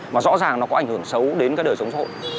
mà rõ ràng nó có ảnh hưởng xấu đến cái đời sống xã hội